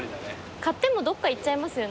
買ってもどっかいっちゃいますよね。